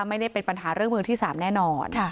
ไม่ได้เป็นปัญหาเรื่องมือที่๓แน่นอน